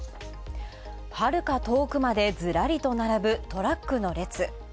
はるか遠くまでずらりと並ぶトラックの列。